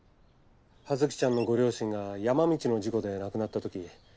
葉月ちゃんのご両親が山道の事故で亡くなったとき